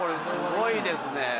すごいですね。